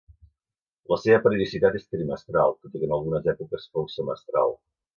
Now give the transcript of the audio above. La seva periodicitat és trimestral, tot i que en algunes èpoques fou semestral.